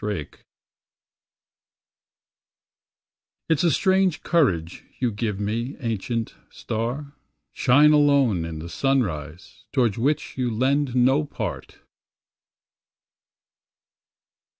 pdf It ' s a strange courage you give me, ancient star: Shine alone in the sunrise toward which you lend no part!